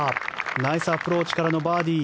ナイスアプローチからのバーディー。